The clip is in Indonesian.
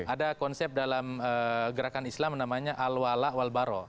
ada konsep dalam gerakan islam namanya alwala wal baro